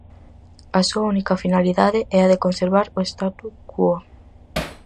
A súa única finalidade é a de conservar o statu quo.